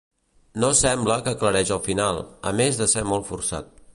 No sembla que aclareix el final, a més de ser molt forçat.